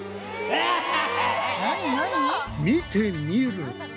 見てみると。